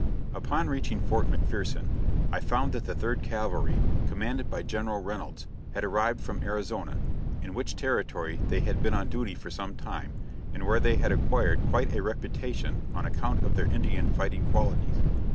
Upon reaching Fort McPherson, I found that the Third Cavalry, commanded by General Reynolds, had arrived from Arizona, in which Territory they had been on duty for some time, and where they had acquired quite a reputation on account of their Indian fighting qualities.